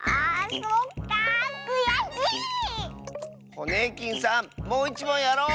ホネーキンさんもういちもんやろう！